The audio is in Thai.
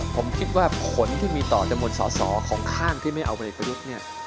ผมคิดว่าผลที่มีต่อจำนวนสอสอของข้างที่ไม่เอาผลเอกประยุทธ์เนี่ย